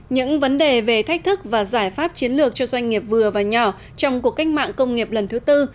những vấn đề về thách thức và giải pháp chiến lược cho doanh nghiệp vừa và nhỏ trong cuộc cách mạng công nghiệp lần thứ tư